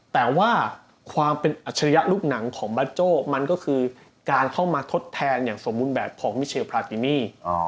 แต่ว่าความเป็นอัจฉริยะลูกหนังของบาโจ้มันก็คือการเข้ามาทดแทนอย่างสมบูรณ์แบบของมิเชลพราติมี่